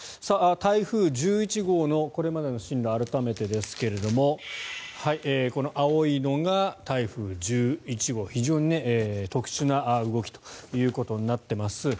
台風１１号のこれまでの進路改めてですけれどもこの青いのが台風１１号非常に特殊な動きということになっています。